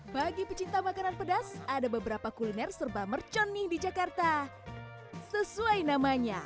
bagi pecinta makanan pedas ada beberapa kuliner serba mercon nih di jakarta sesuai namanya